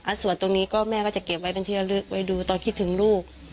ถ้าส่วนตรงนี้ก็แม่แค่จะเก็บไว้ไปดูแม่คิดถึงลูก